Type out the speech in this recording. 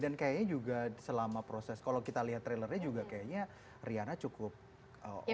dan kayaknya juga selama proses kalau kita lihat trailernya juga kayaknya riana cukup oke juga